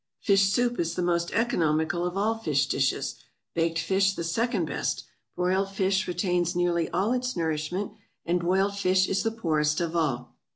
Fish soup is the most economical of all fish dishes; baked fish the second best; broiled fish retains nearly all its nourishment; and boiled fish is the poorest of all.